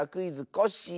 コッシー」